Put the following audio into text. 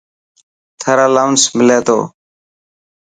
ٿر الاونس ملي تو.